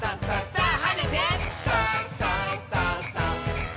「さあ！」